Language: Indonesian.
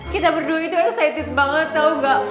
kita berdua itu excited banget tau gak